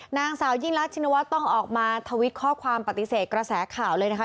นางสาวยิ่งรักชินวัฒน์ต้องออกมาทวิตข้อความปฏิเสธกระแสข่าวเลยนะคะ